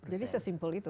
jadi sesimpel itu